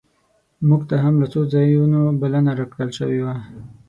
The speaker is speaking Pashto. مونږ ته هم له څو ځایونو بلنه راکړل شوې وه.